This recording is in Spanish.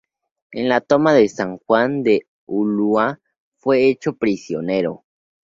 En la toma de San Juan de Ulúa fue hecho prisionero.